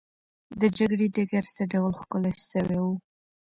د جګړې ډګر څه ډول ښکلی سوی وو؟